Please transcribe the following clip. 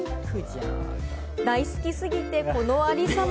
大好きすぎて、このありさま。